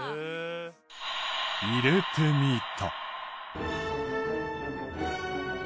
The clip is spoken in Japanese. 入れてみた。